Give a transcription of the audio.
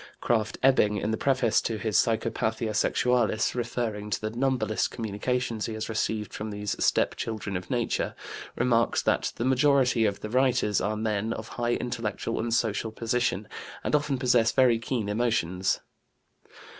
Krafft Ebing, in the preface to his Psychopathia Sexualis, referring to the "numberless" communications he has received from these "step children of nature," remarks that "the majority of the writers are men of high intellectual and social position, and often possess very keen emotions."